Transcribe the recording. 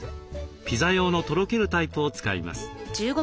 ピザ用のとろけるタイプを使います。